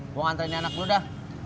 gue ngantrinya anak lu dah